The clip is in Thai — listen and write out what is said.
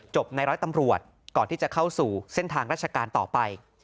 ในร้อยตำรวจก่อนที่จะเข้าสู่เส้นทางราชการต่อไป